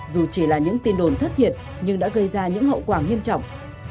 dù chỉ là những tin đồn thất thiệt nhưng đã gây ra những hậu quả nghiêm trọng